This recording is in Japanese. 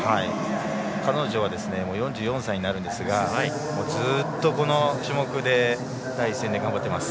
彼女は４４歳になるんですがずっとこの種目の第一線で頑張っています。